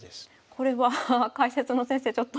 これは解説の先生ちょっと。